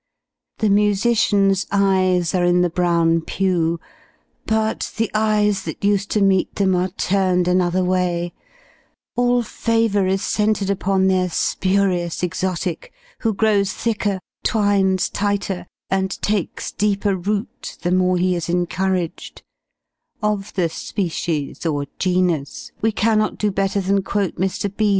The musician's eyes are in the Brown pue; but the eyes that used to meet them are turned another way all favour is centred upon their spurious exotic, who grows thicker, twines tighter, and takes deeper root, the more he is encouraged: of the species, or genus, we cannot do better than quote Mr. B.'